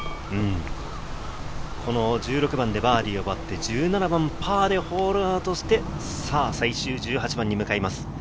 １６番でバーディーを奪って１７番パーでホールアウトして、最終１８番に向かいます。